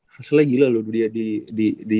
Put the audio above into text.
hasilnya gila loh dia di